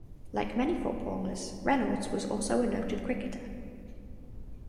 Like many footballers, Reynolds was also a noted cricketer.